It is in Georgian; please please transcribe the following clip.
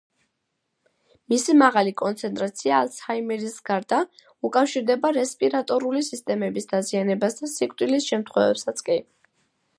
მისი მაღალი კონცენტრაცია ალცჰაიმერის გარდა, უკავშირდება რესპირატორული სისტემების დაზიანებას და სიკვდილის შემთხვევებსაც კი.